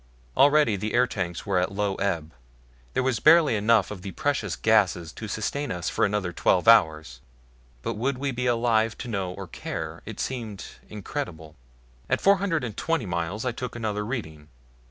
Already the air tanks were at low ebb there was barely enough of the precious gases to sustain us for another twelve hours. But would we be alive to know or care? It seemed incredible. At four hundred and twenty miles I took another reading.